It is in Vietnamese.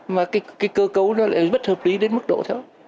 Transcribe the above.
mà cái cơ cấu nó lại bất hợp lý đến mức độ thế đó